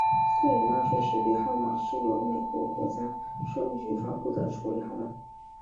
个人纳税识别号码是由美国国家税务局发布的处理号码。